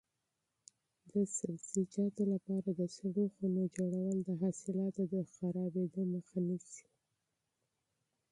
د سبزیجاتو لپاره د سړو خونو جوړول د حاصلاتو د خرابېدو مخه نیسي.